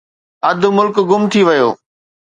اڌ ملڪ گم ٿي ويو.